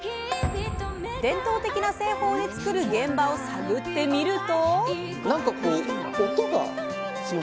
伝統的な製法で造る現場を探ってみると。